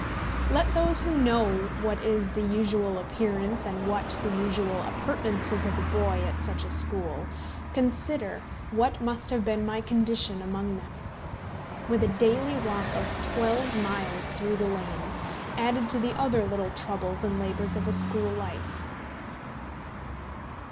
Let those who know what is the usual appearance and what the usual appurtenances of a boy at such a school, consider what must have been my condition among them, with a daily walk of twelve miles through the lanes, added to the other little troubles and labours of a school life!